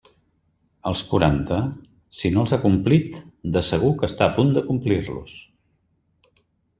Els quaranta, si no els ha complit, de segur que està a punt de complir-los.